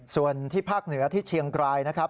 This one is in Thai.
ส่วนที่ภาคเหนือที่เชียงกรายนะครับ